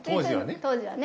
当時はね。